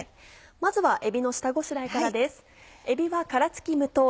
まずはえびの下ごしらえからです。